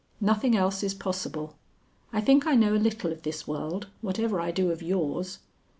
Nothing else is possible. I think I know a little of this world, whatever I do of yours.